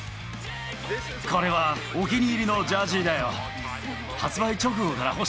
これはお気に入りのジャージだよ。